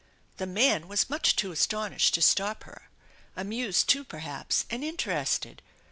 The man was too much astonished to stop her, amused too, perhaps, and interested.